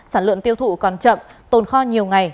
sản lượng tiêu thụ còn chậm tồn kho nhiều ngày